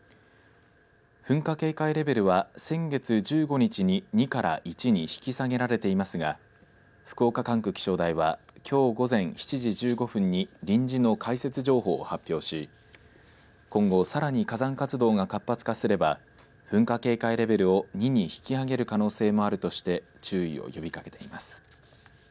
噴火警戒レベルは先月１５日に２から１に引き下げられていますが福岡管区気象台はきょう午前７時１５分に臨時の解説情報を発表し今後、さらに火山活動が活発化すれば噴火警戒レベルを２に引き上げる可能性もあるとして注意を呼びかけています。